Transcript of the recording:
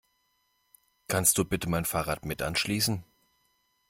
Kannst du bitte mein Fahrrad mit anschließen?